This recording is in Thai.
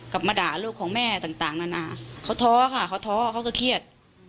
กลับมาด่าลูกของแม่ต่างนานาเขาท้อค่ะเขาท้อเขาก็เครียด